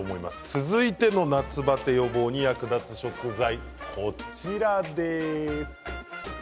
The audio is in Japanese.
続いての夏バテ予防に役立つ食材こちらです。